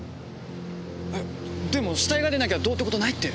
えでも死体が出なきゃどうって事ないって。